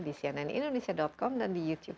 di cnn indonesia com dan di youtube